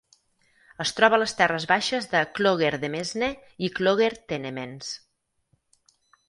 Es troba a les terres baixes de Clogher Demesne i Clogher Tenements.